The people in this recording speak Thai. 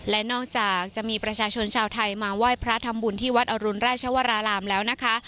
และนอกจากจะมีประชาชนชาวไทยมาไหว้พระทำบุญที่วัดอรุณราชวรารามแล้วนะคะ